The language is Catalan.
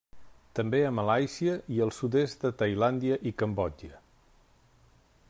També a Malàisia i al sud-est de Tailàndia i Cambodja.